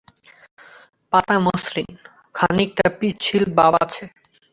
পাতা মসৃণ, খানিকটা পিচ্ছিল ভাব আছে।